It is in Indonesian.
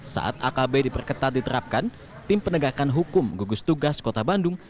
saat akb diperketat diterapkan tim penegakan hukum gugus tugas kota bandung